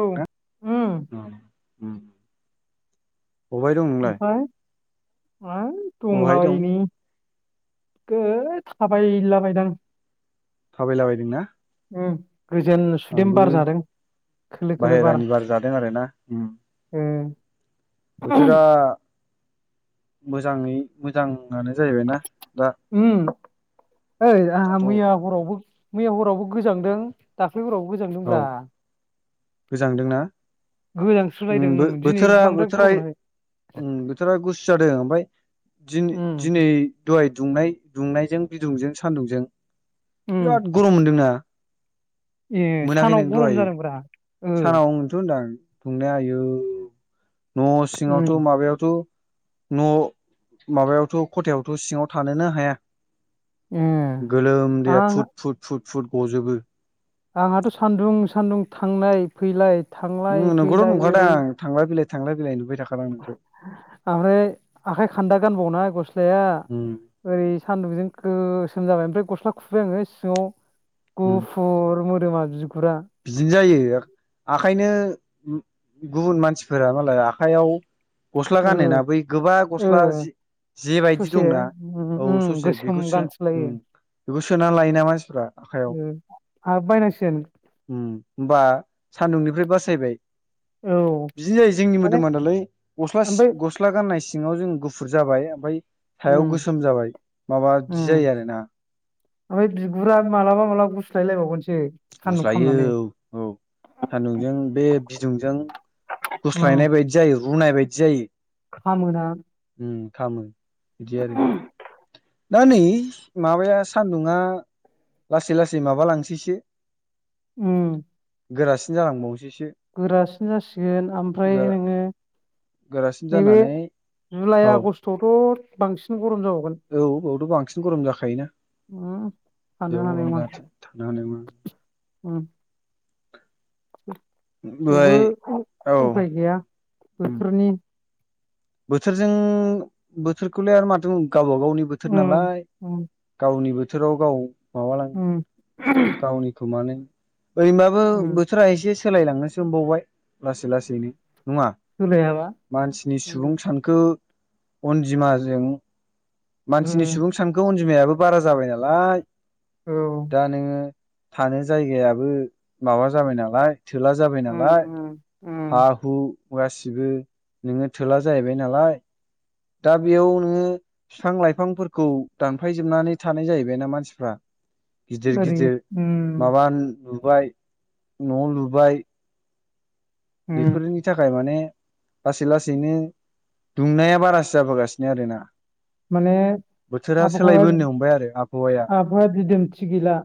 औ उम उम अबाय दं नोंलाय? आं बबेहाय दं दंलाबायो नै। ओय थाबायलाबायदां। थाबायला बायदोंना? उम गोजोन सुदेम बार जादों खोलो खोलो बार बाहेरानि जादों आरोना उम ओं। बोथोरा मोजाङै मोजां उम ओय आंहा दाथ' मैया हरावबो मैया हरावबो गोजांदों दाख्लि हरावबो औ गोजांदोंब्रा। गोजांदोंना? उम गोजांस्रोलायदों दिनै बोथोरा बांद्राय बोथोरा गरम मोनाखै उम बोथोरा गुसु जादों ओमफ्राय उम दिन-दिनै दहाय दुंनाय दुंनायजों बिदुंजों सान्दुंजों उम बिराद गरम मोनदोंना? ए मोनाखै सानाव नों गरम दहाय जादोंब्रा। ओ सानाव नोथ' होनदां दुंनाया आयौ न' सिङावथ' उम माबायावथ' न' माबायावथ' खथायावथ' सिङाव थानोनो हाया। ए गोलोमदैया आं फुट फुट फुट फुट गजोबो। आंहाथ' सान्दुं सान्दुं थांलाय फैलाय थांलाय उम नोंखौथ' फैलाय नुखादों ओरै आं थांलाय फैलाय थांलाय फैलाय नुबाय थाखा ओमफ्राय आखाइ खान्दा गानबावनाय गस्लाया उम ओरै सान्दुंजों गोसोम जाबाय। ओमफ्राय गस्ला खुबाय आङो सिङाव उम गुफुर मोदोमा बि बिदिनो जायो। आखायनो गुबुन मानसिफोरा मालाय आखायाव गस्ला ओ गानोना बै गोबा ओ गस्ला जि जेबायदि ससे दंना उम औ उम ससे गोसोम बेखौ सो उम गानसोलायो बेखौ सोनानै लायोना मानसिफ्रा। आखाइयाव ओ आहाबो बायनांसिगोन। उम होमबा सान्दुंनिफ्राय बासायबाय। औ बिदिनो जायो जोंनि माने मोदोमा दालाय गस्ला सि ओमफ्राय गस्ला गाननाय सिङाव जों गुफुर जाबाय ओमफ्राय सायाव उम गोसोम जाबाय माबा बिदि उम जायो आरोना। ओमफ्राय बिगुरानो मालाबा मालाबा गुस्लायबावगोनसो। गुस्लायो औ औ। सान्दुंजों बे बिदुंजों उम गुस्लायनाय बायदि जायो रुनाय बायदि जायो। खामोना उम खामो बिदि आरो। दा नै माबाया सान्दुंआ। लासै लासै माबा लांसैसो उम। गोरासिन जालांबावनोसैसो। गोरासिन जासिगोन ओमफ्राय गोरा नोङो गोरासिन नैबे जानानै जुलाइ औ आगस्टआवथ' औ बेयावथ' बांसिन गरम जाखायोना उम थानो बेयाव हानाय गरम नङा जाहाथे थानो हानाय नङा उम थेवबो ओमफ्राय औ उफाय गैया उम बोथोरनि बोथोरजों बोथोरखौलाय आरो माथो बुं गावबा गावनि बोथोर उम नालाय उम गावनि बोथोराव गाव माबालां उम गावनिखौ माने ओरैनोबाबो उम बोथोरा एसे सोलायलांनोसो हमबावबाय लासै लासैनो नङा सोलायाबा मानसिनि उम सुबुं सानखो अनजिमाजों मानसिनि उम सुबुं सानखो अनजिमायाबो बारा जाबाय नालाय औ उम दा नोङो थानो जायगायाबो माबा जाबाय नालाय थोला जाबाय नालाय, उम उम हा-हु गासिबो नोङो थोला जाहैबाय नालाय दा बेयाव नोङो बिफां-लाइफांफोरखौ दानफायजोबनानै थानाय जाहैबायना मानसिफ्रा गिदिर ओरै गिदिर उम माबा लुबाय न' लुबाय उम बेफोरनि थाखाय माने लासै लासैनो दुंनाया बारासो जाबोगासिनो आरोना। माने बोथोरा आबहावा सोलायबोनो हमबाय आरो आबहावाया आबहावा दिदोमथि गैला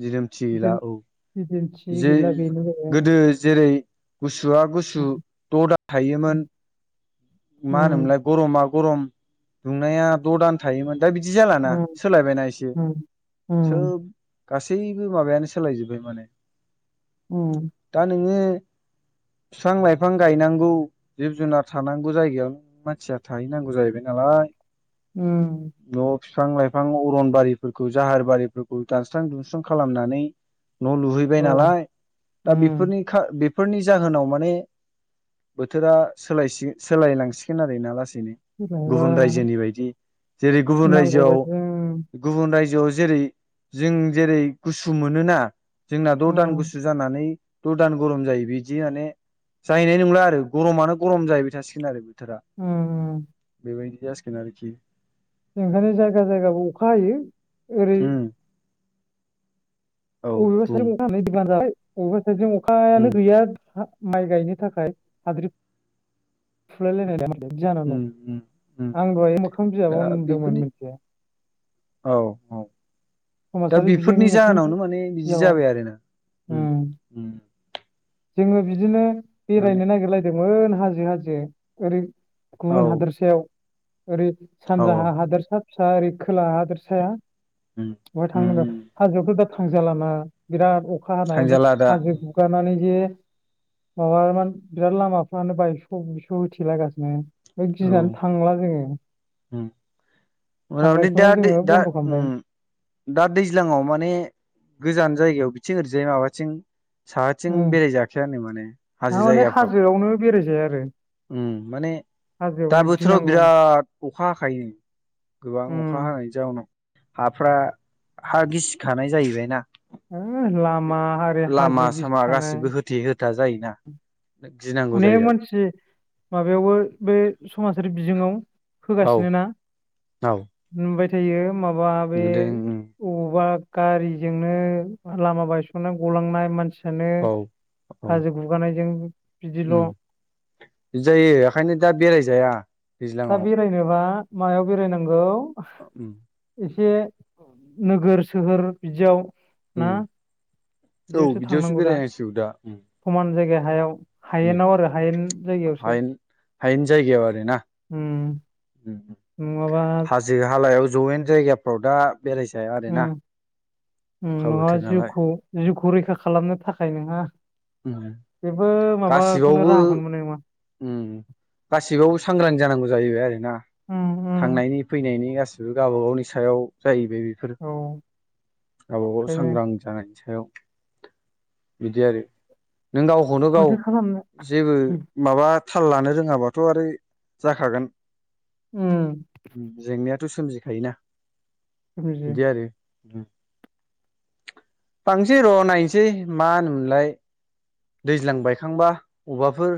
दिदोमथि गैला दिदोम औ दिदोमथि जे गैला बेनो जाहैबाय गोदो जे जेरै गुसुआ गुसु थ आलदा थायोमोन मा उम होनोमोनलाय गरमा गरम दुंनाया द' दान थायोमोन दा बिदि जालाना उम सोलायबायना एसे उम उम सोब गासैबो माबायानो सोलायजोब्बाय माने उम दा नोङो बिफां लाइफां गायनांगौ जिब जुनार थानांगौ बे जायगायावनो मानसिया थाहैनांगौ जाहैबाय नालाय ओम न' बिफां लाइफां अरन बारिफोरखौ जाहार बारिफोरखौ दानस्रां दुमस्रां खालामनानै न' लुहैबाय औ नालाय दा उम बेफोरनि खा बेफोरनि जाहोनाव माने बोथोरा सोलाय सिखोन सोलायलांसिगोन आरो ना लासै सोलायबा गुबुन रायजोनि बायदि जेरै गुबुन नांगौ रायजोआव बायदि उम गुबुन रायजोआव जुदि जेरै जों जेरै गुसु मोनोना जोंना द' दान गुसु जानानै ददान गरम जायो बिदि माने जाहैनाय नंला आरो गरमानो गरम जाहैबाय थासिगोन आरो बोथोरा उम बेबायदि जासिगोन आरोखि ओंखायनो जायगा जायगाबो अखा हायो ओरै उम औ बुं [unintelligible] अखायानो उम गैया जोंहा माइ गायनो थाखाय हाद्रि फुलायलायनाय बेदि जाना उम दं उम उम आं दहाय मोखां दा बिजाबावनो नुदोंमोन बेफोरनि मोनथिया औ औ दा समाजारि बिजोंनि बेफोरनि मोखां जाहोनावनो माने बिदि बिजाबाव जाबाय आरो ना ओम उम ओम जोङो बिदिनो माने बेरायनो नागिरलायदोंमोन हाजो हाजो ओरै औ गुबुन हादोरसायाव ओरै औ सानजाहा हादोरसा फिसा ओरै खोला हादोरसाया उम बहाय उम थांनोबा उम हाजोआवथ' दा थांजालाना बिराद अखा हानाय ओमफ्राय थांजाला दा हाजो गुगानानै बे माबा मोन बिराद लामाफ्रानो बायस' बुस' होथेलागासिनो बेखायनो गिनानै थांला जोङो ओम [unintelligible] थांनायखौनो दादै जोङो दा बन्द' ओम खालामबाय दा दैज्लांआव माने गोजान जायगायाव बिथिं ओरैजाय माबाथिं साहाथिं उम बेराय जाखायानो माने हाजो थारमाने जायगाफ्राव। हाजोआवनो बेरायजाया आरो उं माने दा हाजोआवनो बोथोराव गिनांगौ बिराद अखा हाखायो। गोबां अखा उम हानायनि जाउनाव हाफ्रा हा गिसिखानाय जाहैबायना। ओ लामा आरि लामा हाजो सामा गिसिखानाय गासिबो होथे हो था जायोना गिनांगौ अनेक जायो आरो मानसि माबायावबो बे समाजारि बिजोङाव औ होगासिनो ना औ नुबाय। थायो माबा बे नुदों उम बबावबा गारिजोंनो लामा बायस'नानै गलांनाय मानसि बिदिनो औ औ हाजो खुगानायजों उम बिदि जायो ओंखायनो दा बेरायजाया। दा दैज्लाङाव बेरायनोबा मायाव बेरायनांगौ अ उम एसे नोगोर सोहोर बिदियाव। ना उम औ बिदियावसो बिदियावसो थांनांगौ दा बेरायनांसिगौ दा उम समान जायगा हायाव उम हायेनाव आरो हायेन जायगायावसो हायेन हायेनजायाव आरोना। उम नङाबा हाजो हालायाव जौयेन जायगाफ्राव दा बेरायजाया आरोना उम अखा नोंङो बोथोर नालाय जिउखौ जिउखौ रैखा खालामनो थाखाय नोंहा उम जेबो माबाखौनो राहाखौनो मोननाय नंङा। ओम गासिबावबो सांग्रां जानांगौ जाहैबाय आरो ना। उम उम थांनायनि फैनायनि गासैब गावबा गावनि सायाव जाहैबाय बेफोर औ गावबा गाव ओंखायनो सांग्रां जानाय। सायाव बिदि आरो नों गावखौनो गाव माथो खालामनो जेबो बा थाल लानो रोङाबाथ' आरोै जाखागोन। ओम। थ' सोमजिखायोना बुजियो। बिदि आरो ओम फांसै र' नायनोसै मा होनोम मोनलाय। दैज्लां बायखांबा अबावबाफोर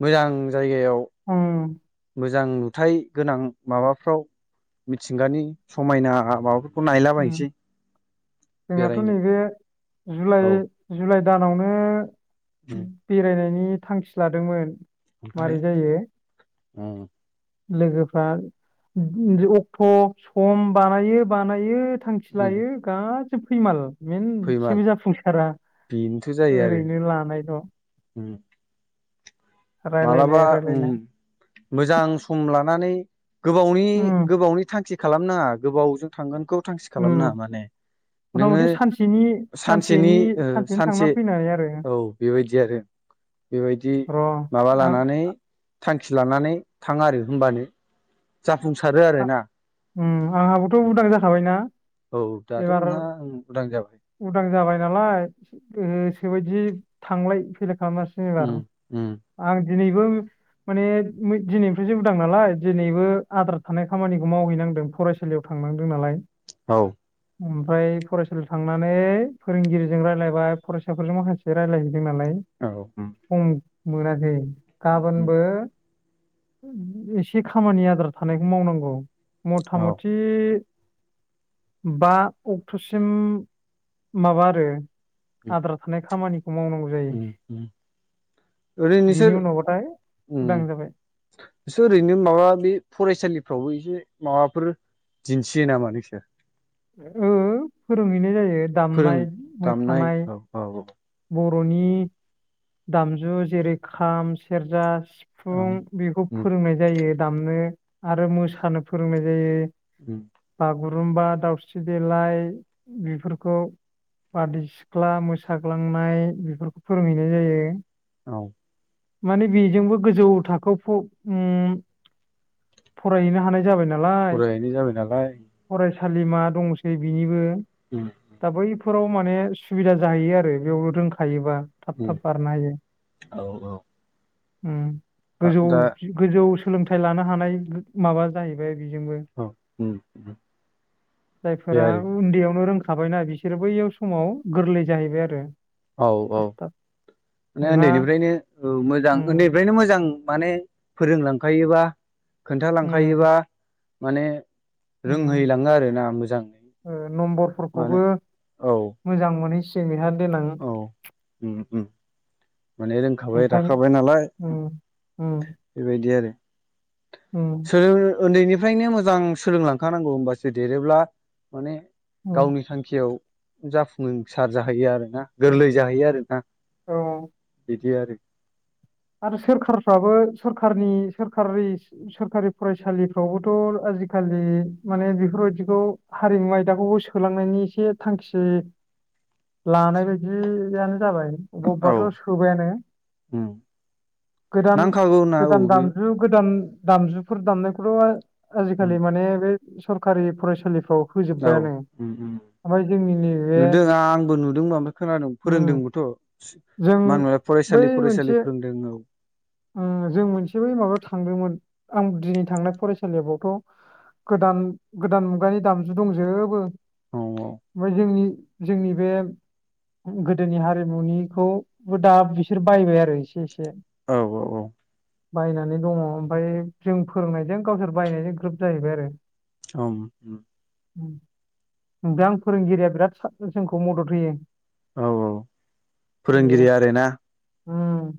मोजां जायगायाव ओम मोजां नुथाय गोनां माबाफ्राव मिथिंगानि समायना माबा ओम जोंहाथ' बेरायनो नैबे जुलाइ औ जुलाइ दानावनो उम बेरायनायनि थांखि लादोंमोन। मारै' जायो। ओम। लोगोफ्रा अक्ट' सम बानायो बानायो थांखि उम लायो गाैबो फैमाल। फैमाल मेनसेबो जाफुंसारा बेनोथ' जायो आरो ओरै'नो लानायल'। उम मालाबा रायलायनाय ओम रायलायनाय मोजां सम लानानै गोबावनि उम गोबावनि थांखि खालामनााङा गोबावजों थांगोनखौ थांखि उम खालामनााङा माने मथा नोङो मथि सानसेनि सानसेनि ओ सानसेनो थांना सानसे फैनाय आरो औ बेबायदि आरो बेबायदि र' माबा आं लानानै थांखि लानानै थाङो आरो हबानो जाफुंसारो आरो ना। ओम आंहाबोथ' उदां जाखाबायना। औ दाथ' एबार नोंहा उदां जाबाय उदां जाबाय नालाय गोसोबायदि बिदि थांलाय फैलाय खालामानो हासिंबार' उम उम आं दिनैबो माने दिनैनिफ्रायसो मोजां नालाय दिनैबो आद्रा थानाय खामानिखौ मावहैनांदों फरायसालियाव थांनांदों नालाय। औ। ओमफ्राय फरायसालियाव थांनानै फोरोंगिरिजों रायज्लायबाय फरायसाफोरजों माखासे रायज्लायह जोंनालाय औ औ सम' मोनाखै गाबोनबो एसे खामानि आदार थानायखौ मावनांगौ मथा मथि बा अक्ट'सिम माबा आरो आद्रा थानाय खामानिखौ मावनांगौ जायो। उम उम ओरै बिनि नोंसोर उनावबाथाय ओम उदां जाबाय सो ओरैनो माबा बे फरायसालिफ्रावबो एसे माबाफोर दिन्थियो नामा नोंसार। ओ फोरोंहैनाय जायो फोरों दामनाय दामनाय मोसानाय औ औ औ बर'नि दामजु जेरै' खाम, सेरजा, औ सिफुं बेखौ उम फोरोंनाय जायो दामनो आरो मोसानो फोरोंनाय जायो। उ। बागुरुमबा, दाउस्रि देलाय बेफोरखौ बारदै सिख्ला मोसा ग्लांनाय बेफोरखौ फोरोंहैनाय जायो। औ। माने बेजोंबो गोजौ थाखोआव फ ओम फरायहैनो हानाय जाबाय नामा। फरायहैनाय जाबाय नालाय सालिमा दंसै बिनिबो। उम दा बै फोराव माने सुबिदा जाहैयो आरो बेयाव रोंखायोबा थाब उम थाब बारनो हायो। औ औ ओम गोजौ दा गोजौ सोलोंथाइ लानो हानाय माबा जाहैबाय बेजोंनो औ उम दे जायफोरा आरो उन्दैनो रों थाबायना बिसोरो बैयाव समाव गोरलै जाहैबाय आरो। औ औ थाब थाब माने नोंहा उन्दैनिफ्रायनो मोजां उम उन्दैनिफ्रायनो मोजां माने फोरोंलांखायोबा उम खोन्थालांखायोबा माने उम रोंहैलाङो आरो ना मोजां। ओ नम्बरफोरखौबो मोजां मोनहैसि औ ओम ओम माने रोंखाबाय ओमफ्राय राखाबाय नालाय। उम बेबायदि आरो। ओम। सोलों उन्दैनिफ्रायनो मोजां सोलोंलांखानांगौ होमबासो देरोब्ला माने उम गावनि थांखियाव जाफुंसार जाहैयो आरो। ना गोरलै जाहैयो आरोना औ बिदि आरो आरो सोरखारफ्राबो सोरखारनि सोरारि सोरखारि फरायसालिफ्रावबोथ' आजिखालि माने बेफोरबायाददिखौ हारिमु आयदाखौबो सोलांनायनि एसे थांखि [inaudible] लानाय बायदियानो जाबाय औ बबेबाथ' सोबायानो। उम गोदान नांखागौ ना औ गोदान बे दामजु गोदान दामजुफोर दामनायखौल उम आजिखालि माने बे सरखारि फरायसालिफ्राव औ होजोब्बायानो ओम ओम। ओमफ्राय जोंनि नैबे नुदों आ आंबो नुदोंमोन ओमफ्राय खोनादों उम फोरोंदोंबोथ' जों मानोना फरायसालि फरायसालि फोरोंदों औ। ओ जों मोनसे बै माबायाव थांदोंमोन आं दिनै थांनाय फरायसालिाबावथ' गोदान गोदान मुगानि दामजु दंजोबो। औ ओमफ्राय जोंनि जोंनि बे गोदोनि हारिमुनिखौबो दा बिसोर बायबाय आरो एसे एसे। औ औ औ। बायनानै दङ ओमफ्राय जों फोरोंनायदों गावसोर बायनायजों ग्रोब जाहैबाय आरो। औ। ओफ्राय आं फोरोंगिरिया बिराद जोंखौ मदद होयो। औ औ। फोरोंगिरि आरो ना। ओम।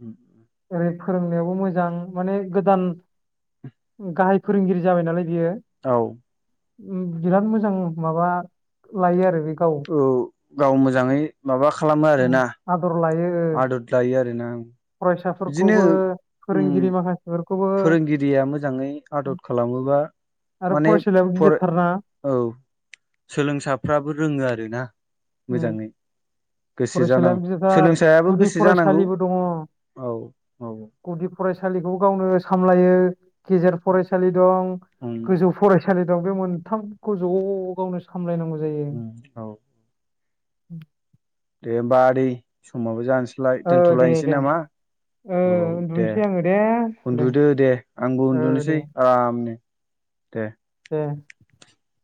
उम [inaudible] फोरोंनायावबो मोजां माने गोदान गाहाइ फोरोंगिरि जाबाय नालाय बियो औ। बिराद मोजां माबा लायो आरो बे गाव औ गाव मोजाङै माबा खालामो उम, आरोना आदर लायो ओ। आदद लायो आरो ना ओम। फरायसाफोरखौबो फोरोंगिरि माखासे फोरोंगिरिया मोजाङै आदद खालामोबा आरो माने फरायसालियाबो फराय गिदिरथारना औ सोलोंसाफ्राबो रोङो आरो ना उम, मोजाङै? गोसो जानांगौ फरायसालियाबो गिदिरथार सोलोंसायाबो गुदि गोसो जानांगौ फरायसालिबो दङ। औ औ गुदि फरायसालिखौ गावनो सामलायो, गेजेर फरायसालि दं, उम गोजौ फरायसालि दं जेराव बे मोनथामखौ ज' गावनो सामलायनांगौ जायो। [inaudible] उम औ दे होमबा आदै समाबो जानोसैलाय ओ दे दोनथ'लायनोसै दे नामा? ओ औ दे उन्दुनोसै आङो दे उन्दुदो दे आंबो ओ उन्दुनोसै दे ओ दे। [unintelligible]